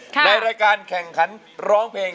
ในรายการแข่งขันร้องเพลง